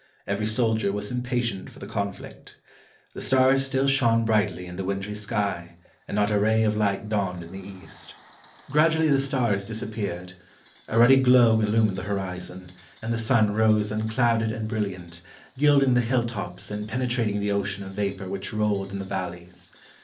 Every soldier was impatient for the conflict. The stars still shone brightly in the wintry sky, and not a ray of light dawned in the east. 336 THE BATTLE OF AUSTERLITZ Gradually the stars disappeared. A ruddy glow illu mined the horizon, and the sun rosp Aanclouded and bril liant, gilding the hill tops and penetrating the ocean of vapor which rolled in the valleys.